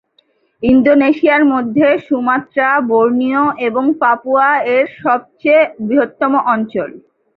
ইন্দোনেশিয়ার মধ্যে Sumatra, Borneo এবং পাপুয়া এর চেয়ে বৃহত্তর অঞ্চল।